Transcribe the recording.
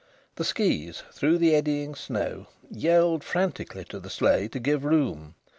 The skis, through the eddying snow, yelled frantically to the sleigh to give room.